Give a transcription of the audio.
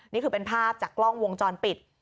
นี่คือเป็นภาพจากกล้องวงจรปิด